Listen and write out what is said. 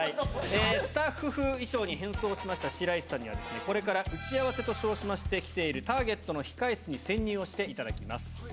スタッフ風衣装に変装しました白石さんには、これから打ち合わせと称しまして来ているターゲットの控え室に潜入をしていただきます。